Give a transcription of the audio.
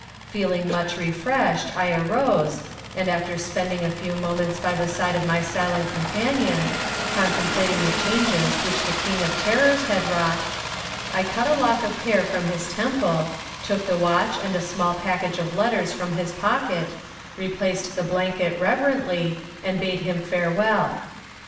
Feeling much refreshed I arose, and after spending a few moments by the side of my silent companion, contemplating the changes which the King of Terrors had wrought, I cut a lock of hair from his temple, took the watch and a small package of letters from his pocket, replaced the blanket reverently, and bade him farewell.